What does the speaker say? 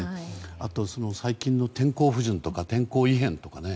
あと、最近の天候不順とか天候異変とかね。